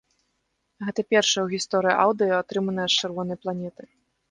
Гэта першае ў гісторыі аўдыё, атрыманае з чырвонай планеты.